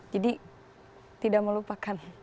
jadi tidak melupakan